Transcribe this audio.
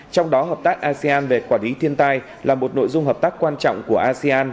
trong đó hợp tác asean về quản lý thiên tai là một nội dung hợp tác quan trọng của asean